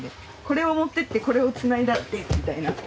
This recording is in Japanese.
これを持っていってこれを繋いだみたいな。